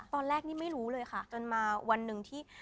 ตอนแรกนี่ไม่รู้เลยค่ะจนมาวันหนึ่งที่